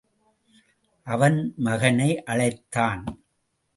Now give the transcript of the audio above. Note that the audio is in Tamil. அவன் மகனை அழைத்தான்.